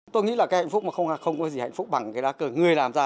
tôi nghĩ là cái hạnh phúc mà không có gì hạnh phúc bằng cái đá cờ người làm ra